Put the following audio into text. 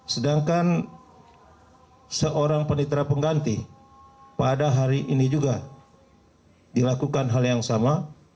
sedangkan seorang penitra pengganti pada hari ini juga dilakukan hal yang sama